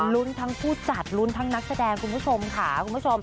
ลุ้นทั้งผู้จัดลุ้นทั้งนักแสดงคุณผู้ชมค่ะคุณผู้ชม